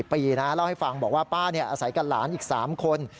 เจ้าให้ฟังว่าป้าอาฮะกันหลานอีก๓คน